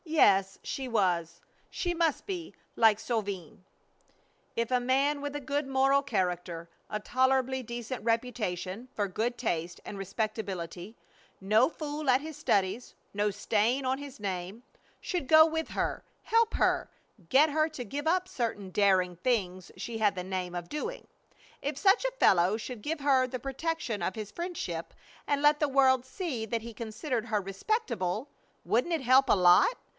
Yes, she was, she must be, like Solveig. If a man with a good moral character, a tolerably decent reputation for good taste and respectability, no fool at his studies, no stain on his name, should go with her, help her, get her to give up certain daring things she had the name of doing if such a fellow should give her the protection of his friendship and let the world see that he considered her respectable wouldn't it help a lot?